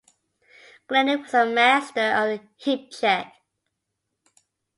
Glennie was a master of the hip-check.